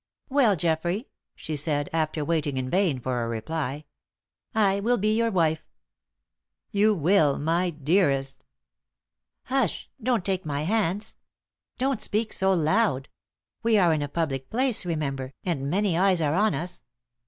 "Well, Geoffrey," she said, after waiting in vain for a reply, "I will be your wife." "You will My dearest!" "Hush! Don't take my hands; don't speak so loud. We are in a public place, remember, and many eyes are on us.